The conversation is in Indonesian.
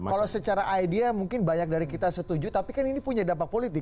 kalau secara idea mungkin banyak dari kita setuju tapi kan ini punya dampak politik